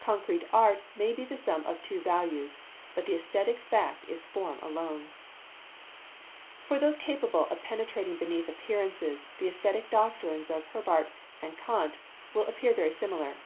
Concrete art may be the sum of two values, but the aesthetic fact is form alone. For those capable of penetrating beneath appearances, the aesthetic doctrines of Herbart and of Kant will appear very similar.